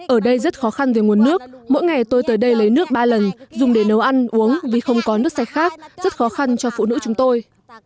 ở đây rất khó khăn về nguồn nước mỗi ngày tôi tới đây lấy nước ba lần dùng để nấu ăn uống vì không có nước sạch khác rất khó khăn cho phụ nữ chúng tôi